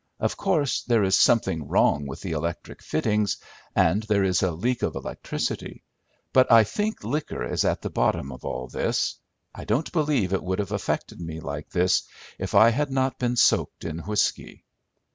Of course there is something wrong with the electric fittings, and there is a leak of electricity; but I think liquor is at the bottom of all this. I don't believe it would have affected me like this if I had not been soaked in whiskey."